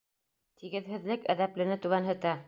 Тигеҙһеҙлек әҙәплене түбәнһетә